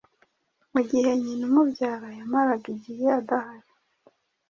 mu gihe nyina umubyara yamaraga igihe adahari